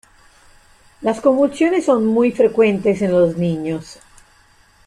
Las convulsiones son muy frecuentes en los niños.